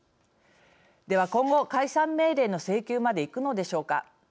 では、今後解散命令の請求までいくのでしょうか。